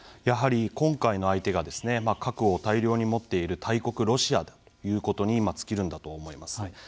やはり今回の相手が核を大量に持っている大国ロシアだということに尽きるんだと思います。